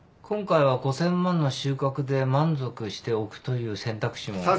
今回は５，０００万の収穫で満足しておくという選択肢も。